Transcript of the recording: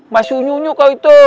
masih unyu unyu kau itu